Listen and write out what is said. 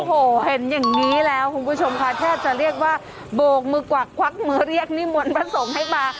โอ้โหเห็นอย่างนี้แล้วคุณผู้ชมค่ะแทบจะเรียกว่าโบกมือกวักควักมือเรียกนิมนต์พระสงฆ์ให้มา